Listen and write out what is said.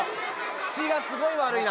口がすごい悪いな。